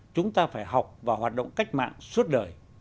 chúng ta phải học và hoạt động cách mạng suốt đời